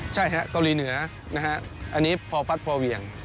ใช่ครับเกาหลีเหนืออันนี้พอฟัดพอเวียง